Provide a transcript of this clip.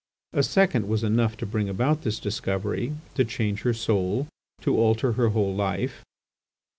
A second was enough to bring about this discovery, to change her soul, to alter her whole life.